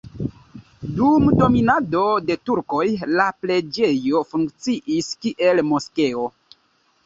Dum dominado de turkoj la preĝejo funkciis, kiel moskeo.